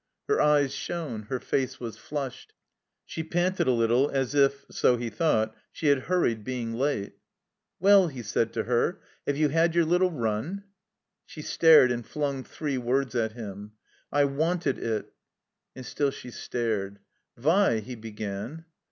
Her eyes shone; her face was flushed. She panted a little as if (so he thought) she had hurried, being late. "Well," he said to her, "have you had your little run?" She stared and fltmg three words at him. "I wanted it!" I7S THE COMBINED MAZE And still she stared. "Vi— " he began.